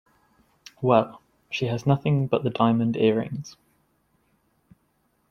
Well, she has nothing but the diamond earrings.